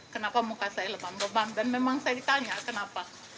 kenapa muka saya lebam lebam dan memang saya ditanya kenapa